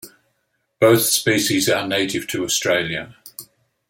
Both species are native to Australia.